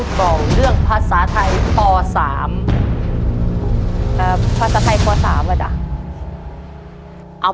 ชอบเรียนวิชาอะไรมากที่สุดครับ